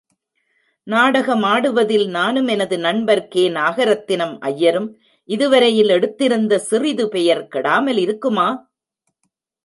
நாடகமாடுவதில் நானும் எனது நண்பர் கே. நாகரத்தினம் ஐயரும் இதுவரையில் எடுத்திருந்த சிறிது பெயர் கெடாமலிருக்குமா?